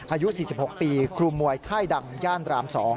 อายุ๔๖ปีครูมวยค่ายดังย่านราม๒